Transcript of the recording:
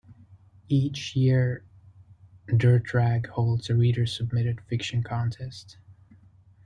Each year, "Dirt Rag" holds a reader submitted fiction contest.